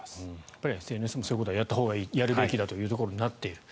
やっぱりＳＮＳもそういうことはやったほうがいいやるべきだということになっている。